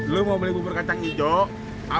lo mau beli bubur kacang hijau